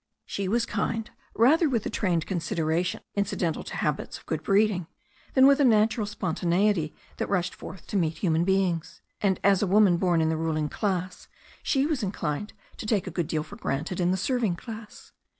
She was kind rather with the trained consideration incidental to habits of good breeding than with a natural spontaneity that rushed forth to meet human beings. And as a woman born in the ruling class she was inclined to take a good deal for granted in the serving class.